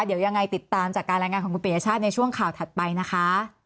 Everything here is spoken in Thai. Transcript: เดี๋ยวยังไงติดตามจากการรายงานของคุณปียชาติในช่วงข่าวถัดไปนะคะ